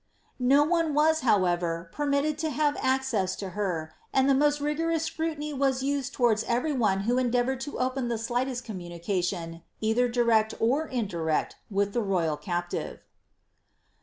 No one was, however, permitted to have access to her, and the most fiforom scnitiny was used towards every one who endeavoured to open the slightest communication, either direct or indirect, with the royal c^Mive.